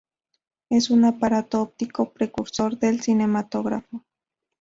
Es un aparato óptico precursor del cinematógrafo.